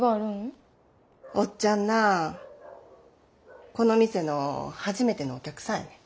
おっちゃんなこの店の初めてのお客さんやねん。